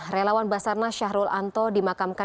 relawan basarnas syahrul anto dimakamkan